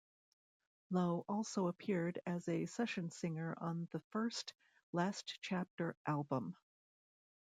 Lowe also appeared as a session singer on the first Last Chapter album.